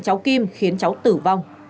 cháu kim khiến cháu tử vong